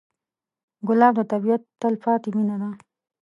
ګلاب د طبیعت تلپاتې مینه ده.